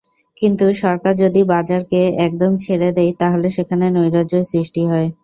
কিন্তু সরকার যদি বাজারকে একদম ছেড়ে দেয়, তাহলে সেখানে নৈরাজ্যই সৃষ্টি হয়।